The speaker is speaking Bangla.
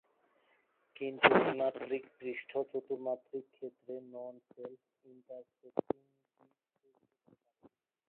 কিন্তু দ্বিমাত্রিক পৃষ্ঠ চতুর্মাত্রিক ক্ষেত্রে নন-সেলফ-ইন্টারসেক্টিং গিট তৈরি করতে পারে।